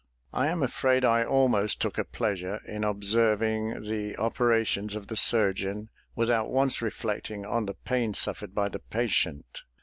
I am afraid I almost took a pleasure in observing the operations of the surgeon, without once reflecting on the pain suffered by the patient.